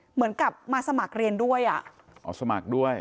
เหมือนกับมาสมัครเรียนด้วยอ่ะอ๋อสมัครด้วย